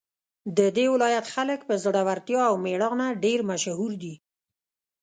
د دې ولایت خلک په زړورتیا او میړانه ډېر مشهور دي